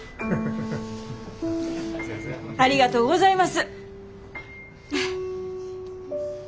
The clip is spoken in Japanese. ありがとうございます。